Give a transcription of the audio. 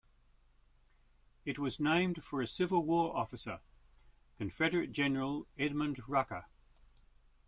It was named for a Civil War officer, Confederate General Edmund Rucker.